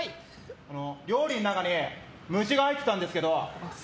料理の中に虫が入ってたんですけど。